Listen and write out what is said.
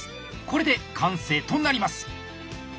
これで完成となります。